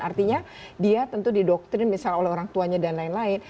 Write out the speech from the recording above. artinya dia tentu didoktrin misalnya oleh orang tuanya dan lain lain